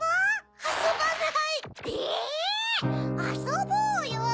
えぇ⁉あそぼうよ！